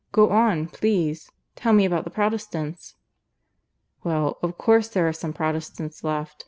... Go on, please. Tell me about the Protestants." "Well, of course there are some Protestants left.